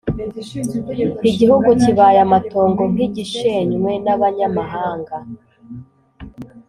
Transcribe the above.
Igihugu kibaye amatongo nk’igishenywe n’abanyamahanga